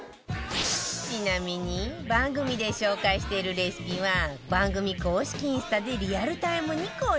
ちなみに番組で紹介しているレシピは番組公式インスタでリアルタイムに更新中